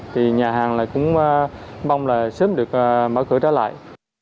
thì nhà hàng là cũng mong là sớm được mở cửa trở lại